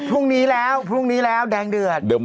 พรุ่งนี้แล้วพรุ่งนี้แล้วแดงเดือด